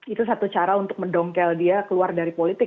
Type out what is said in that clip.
itu satu cara untuk mendongkel dia keluar dari politik